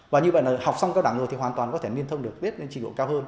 và như vậy là học xong cao đẳng rồi thì hoàn toàn có thể liên thông được biết lên trình độ cao hơn